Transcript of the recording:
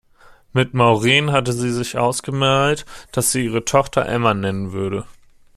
Mit Maureen hatte sie sich ausgemalt, dass sie ihre Tochter Emma nennen würde.